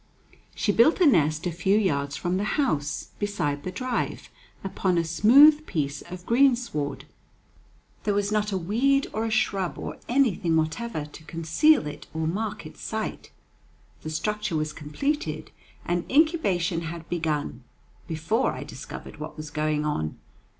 She built a nest a few yards from the house, beside the drive, upon a smooth piece of greensward. There was not a weed or a shrub or anything whatever to conceal it or mark its site. The structure was completed, and incubation had begun, before I discovered what was going on.